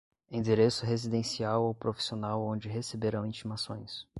endereço residencial ou profissional onde receberão intimações